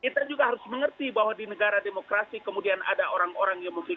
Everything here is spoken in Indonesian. kita juga harus mengerti bahwa di negara demokrasi kemudian ada orang orang yang mungkin